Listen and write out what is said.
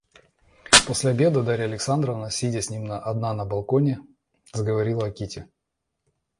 После обеда Дарья Александровна, сидя с ним одна на балконе, заговорила о Кити.